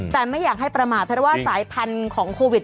แต่ไม่อยากให้ประมาทเพราะว่าสายพันธุ์ของโควิด